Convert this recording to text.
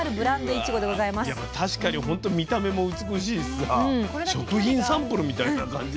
いや確かにほんと見た目も美しいしさ食品サンプルみたいな感じだよね。